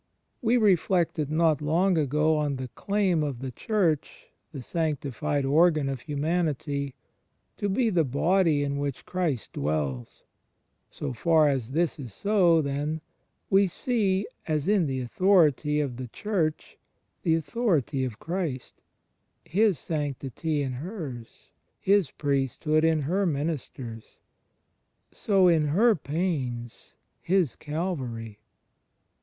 ... We reflected not long ago on the claim of the Church 1 rporypd^, Gal. iii : x. Io6 THE FRIENDSHIP OF CHRIST — the sanctified organ of hiunanity — to be the body in which Christ dwells. So fax as this is so, then, we see, as in the authority of the Church the authority of Christ, His sanctity in hers. His priesthood in her ministers, so in her pains His Calvary.